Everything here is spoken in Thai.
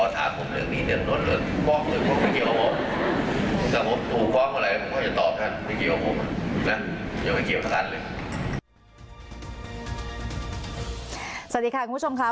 สวัสดีค่ะคุณผู้ชมค่ะ